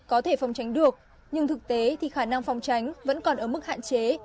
có thể phòng tránh được nhưng thực tế thì khả năng phòng tránh vẫn còn ở mức hạn chế